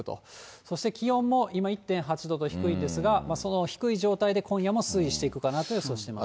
そして気温も今、１．８度と低いんですが、その低い状態で、今夜も推移していくかなと予想しています。